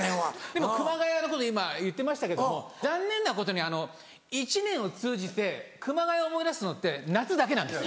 でも熊谷のこと今言ってましたけども残念なことに一年を通じて熊谷を思い出すのって夏だけなんです。